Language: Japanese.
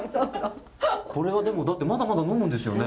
これはでもだってまだまだ飲むんですよね？